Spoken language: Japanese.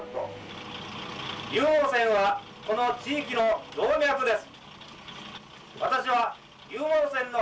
湧網線はこの地域の動脈です。